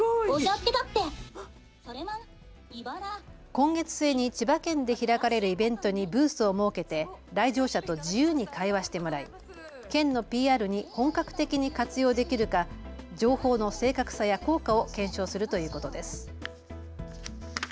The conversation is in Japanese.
今月末に千葉県で開かれるイベントにブースを設けて来場者と自由に会話してもらい、県のＰＲに本格的に活用できるか情報の正確さや効果を検証するということです。